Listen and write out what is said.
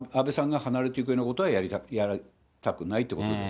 安倍さんが離れるようなことはやりたくないということです。